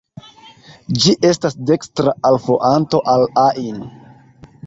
Ĝi estas dekstra alfluanto al Ain (rivero).